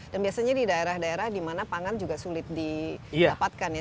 dan biasanya di daerah daerah dimana pangan juga sulit didapatkan ya